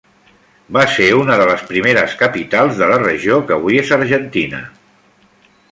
Va ser una de les primeres capitals de la regió que avui és Argentina.